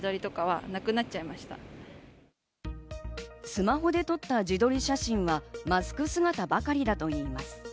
スマホで撮った自撮り写真はマスク姿ばかりだといいます。